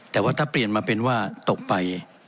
แต่ว่าถ้าเปลี่ยนมาเป็นว่าตกไป